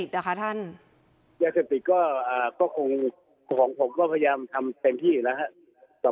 อย่างสติกก็คงของผมก็พยายามทำเต็มที่แล้วครับ